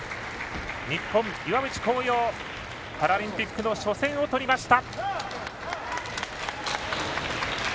日本、岩渕幸洋パラリンピックの初戦をとりました！